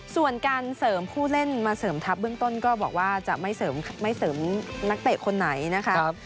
ส่วนการเสริมผู้เล่นมาเสริมทัพเบื้องต้นก็บอกว่าจะไม่เสริมนักเตะคนไหนนะคะ